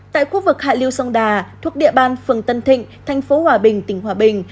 tại khu vực hạ liêu sông đà thuộc địa bàn phường tân thịnh thành phố hòa bình tỉnh hòa bình